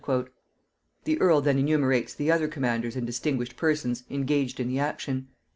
The earl then enumerates the other commanders and distinguished persons engaged in the action.